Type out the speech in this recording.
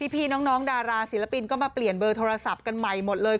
พี่น้องดาราศิลปินก็มาเปลี่ยนเบอร์โทรศัพท์กันใหม่หมดเลย